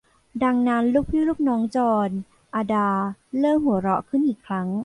ดังนั้น ลูกพี่ลูกน้องจอร์น อดาเริ่มหัวเราะขึ้นอีกครั้ง